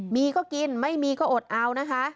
มีก็กินไม่มีก็อดเอานะคะ